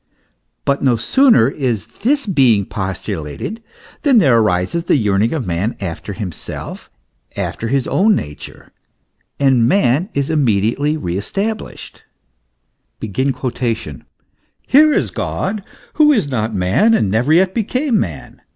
But no sooner is this being postulated than there arises the yearning of man after himself, after his own nature, and man is immediately re established. " Here is God, who is not man and never yet became man.